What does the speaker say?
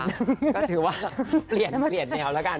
ก็ถือว่าเปลี่ยนแนวแล้วกัน